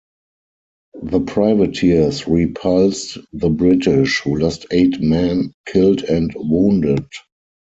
The privateers repulsed the British, who lost eight men killed and wounded.